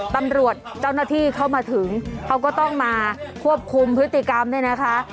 ตำรวจเจ้าหน้าที่เข้ามาถึงเขาก็ต้องมาควบคุมพฤติกรรมเนี่ยนะคะ